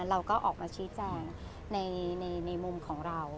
เราก็ออกมาชี้แจงในมุมของเรา